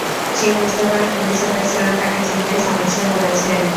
সে বুঝতে পারে পুলিশ সদস্যরা তাকে চিনতে সমস্যায় পড়েছে।